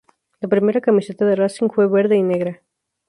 La primera camiseta de Racing fue verde y negra.